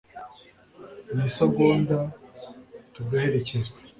ni isogonda tugaherekezwa